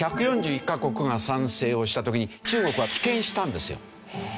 １４１カ国が賛成をした時に中国は棄権したんですよ。